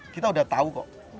kita sudah tahu kok